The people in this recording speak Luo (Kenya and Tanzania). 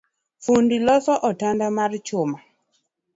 Fundi loso otanda mar chuma